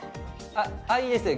あっいいですね